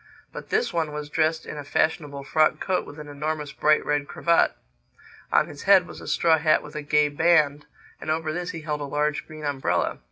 But this one was dressed in a fashionable frock coat with an enormous bright red cravat. On his head was a straw hat with a gay band; and over this he held a large green umbrella.